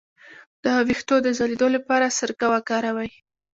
د ویښتو د ځلیدو لپاره سرکه وکاروئ